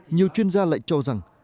nhiều chuyên gia lại cho rằng